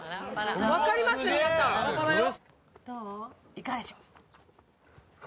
「いかがでしょう？」